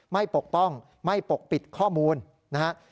ปกป้องไม่ปกปิดข้อมูลนะครับ